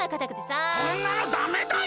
そんなのダメだよ！